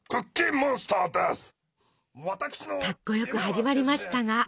かっこよく始まりましたが。